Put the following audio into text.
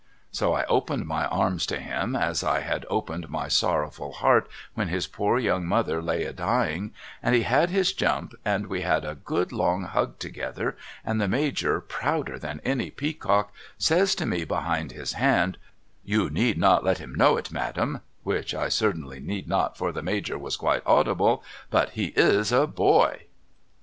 So I opened my arms to him as I had opened my sorrowful heart when his poor young mother lay a dying, and he had his jump and we had a good long hug together and the Major prouder than any peacock says to me behind his hand, ' You need not let him know it Madam ' (which I certainly need not for the Major was quite audible) ' but he is a boy